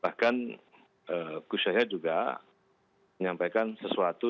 bahkan gus yahya juga menyampaikan sesuatu